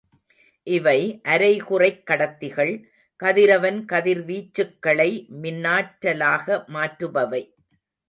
இவை அரைகுறைக் கடத்திகள்.கதிரவன் கதிர்வீச்சுக்களை மின்னாற்றலாக மாற்றுபவை.